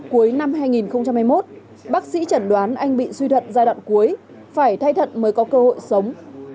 cuối năm hai nghìn hai mươi một bác sĩ chẩn đoán anh bị suy thận giai đoạn cuối phải thay thận mới có cơ hội sống